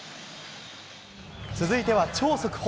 続いては超速報。